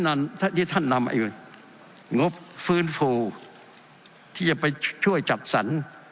นั่นที่ท่านนำงบฟื้นฟูที่จะไปช่วยจัดสรร